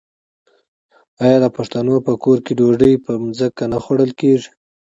آیا د پښتنو په کور کې ډوډۍ په ځمکه نه خوړل کیږي؟